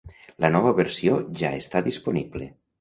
La nova versió ja està disponible.